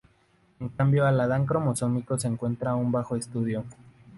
En cambio al Adán cromosómico se encuentra aún bajo estudio.